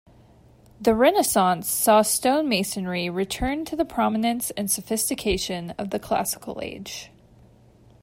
The Renaissance saw stonemasonry return to the prominence and sophistication of the Classical age.